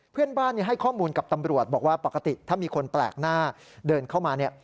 เพื่อนบ้านให้ข้อมูลกับตำรวจบอกว่าปกติถ้ามีคนแปลกหน้าเดินเข้ามาเนี่ย